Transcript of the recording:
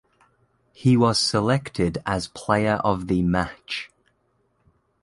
He was selected as player of the match.